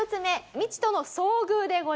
未知との遭遇でございます。